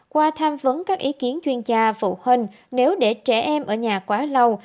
qua tham vấn các ý kiến chuyên gia phụ huynh nếu để trẻ em ở nhà quá lâu